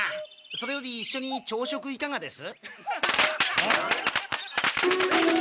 それより一緒に朝食いかがです？